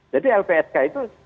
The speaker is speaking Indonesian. jadi lpsk itu